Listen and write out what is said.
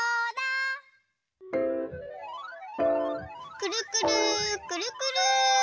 くるくるくるくる。